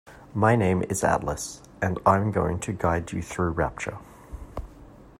My name is Atlas and I'm going to guide you through Rapture.